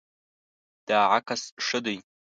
دا عکس ښه دی